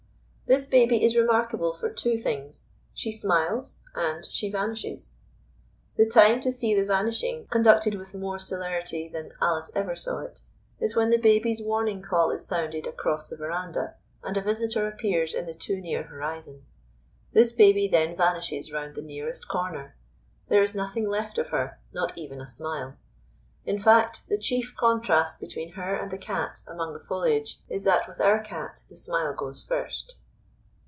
This baby is remarkable for two things: she smiles and she vanishes. The time to see the vanishing conducted with more celerity than Alice ever saw it, is when the babies' warning call is sounded across the verandah and a visitor appears in the too near horizon. This baby then vanishes round the nearest corner. There is nothing left of her, not even a smile. In fact, the chief contrast between her and the cat among the foliage is that with our Cat the smile goes first.